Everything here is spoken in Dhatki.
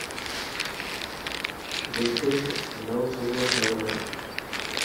گلگل نوو صوبو ٺهيو هي.